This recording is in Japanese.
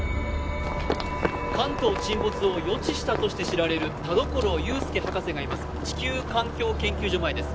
関東沈没を予知したとして知られる田所雄介博士がいます地球環境研究所前です